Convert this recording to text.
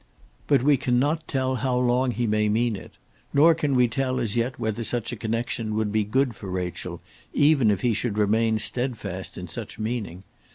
"But we cannot tell how long he may mean it; nor can we tell as yet whether such a connection would be good for Rachel, even if he should remain stedfast in such meaning.